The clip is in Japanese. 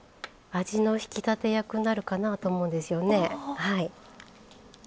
味の引き立て役になるかなぁと思うんですよね。